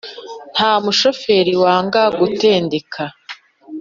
Nta mushoferi wanga gutendeka